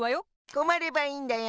こまればいいんだよ。